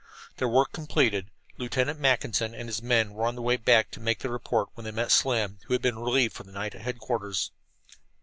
Their work completed, Lieutenant Mackinson and his men were on their way back to make their report when they met Slim, who had been relieved for the night at headquarters.